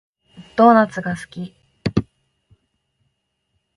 ドーナツが好き